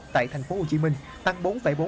tại thành phố hồ chí minh tăng bốn bốn